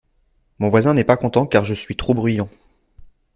Mon voisin n'est pas content car je suis trop bruyant